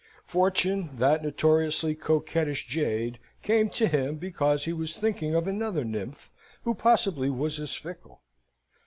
Fortune, that notoriously coquettish jade, came to him, because he was thinking of another nymph, who possibly was as fickle.